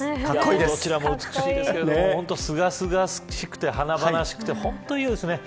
どちらも美しいですけど清々しくて華々しくて本当にいいですね。